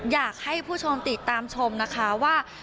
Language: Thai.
อยากให้ผู้ชมติดตามชมนะคะว่า